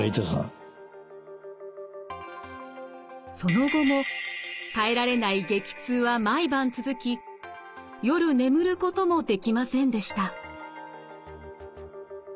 その後も耐えられない激痛は毎晩続き夜眠ることもできませんでした。